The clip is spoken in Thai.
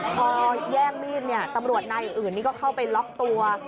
พอแย่งมีดเนี่ยตำรวจนายอื่นนี่ก็เข้าไปล็อกตัว